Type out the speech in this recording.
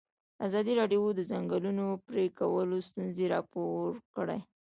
ازادي راډیو د د ځنګلونو پرېکول ستونزې راپور کړي.